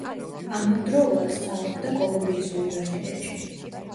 ამავდროულად სწავლობდა კოლუმბიის უნივერსიტეტში.